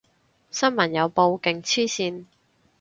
新聞有報，勁黐線